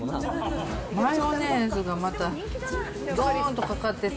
マヨネーズがまた、どーんとかかってて。